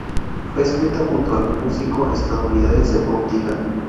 Fue escrita junto al músico estadounidense Bob Dylan.